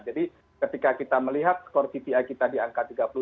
jadi ketika kita melihat skor tti kita di angka tiga puluh tujuh